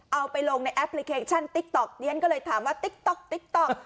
เอาไปลงในแอปพลิเคชันติ๊กต๊อกดิฉันก็เลยถามว่าติ๊กต๊อกติ๊กต๊อก